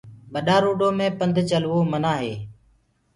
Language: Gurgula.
ٻڏآ روڊو مي پنڌ چلوو منآ هي۔